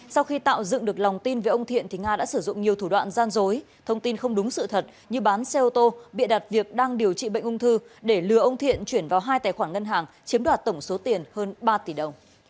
sau khi tạo dựng được lòng tin về ông thiện nga đã sử dụng nhiều thủ đoạn gian dối thông tin không đúng sự thật như bán xe ô tô bịa đặt việc đang điều trị bệnh ung thư để lừa ông thiện chuyển vào hai tài khoản ngân hàng chiếm đoạt tổng số tiền hơn ba tỷ đồng